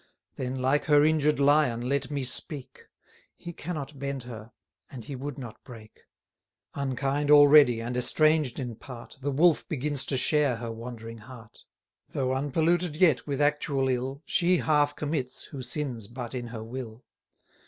Then, like her injured Lion, let me speak; He cannot bend her, and he would not break. Unkind already, and estranged in part, The Wolf begins to share her wandering heart. Though unpolluted yet with actual ill, She half commits, who sins but in her will.